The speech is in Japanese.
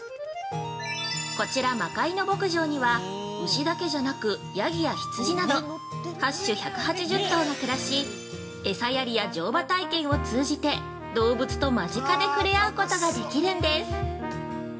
◆こちら「まかいの牧場」には牛だけじゃなくヤギや羊など８種１８０頭が暮らし、餌やりや乗馬体験を通じて動物と間近でふれあうことができるんです。